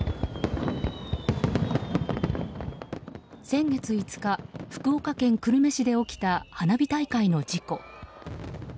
先月５日福岡県久留米市で起きた花火大会の事故。